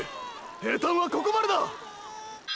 平坦はここまでだ！！